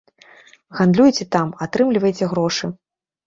Гандлюйце там, атрымлівайце грошы.